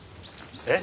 えっ？